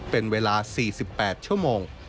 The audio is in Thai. เป็นเวลา๔๘ชั่วโมง